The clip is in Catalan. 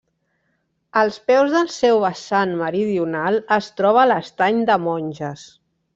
Als peus del seu vessant meridional es troba l'Estany de Monges.